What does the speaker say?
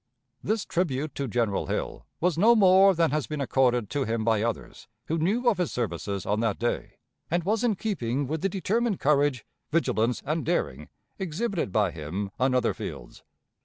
This tribute to General Hill was no more than has been accorded to him by others who knew of his services on that day, and was in keeping with the determined courage, vigilance, and daring exhibited by him on other fields.